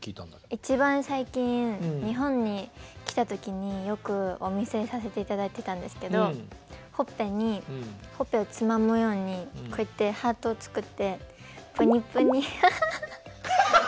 一番最近日本に来た時によくお見せさせて頂いてたんですけどほっぺにほっぺをつまむようにこうやってハートを作ってぷにぷにハハハ。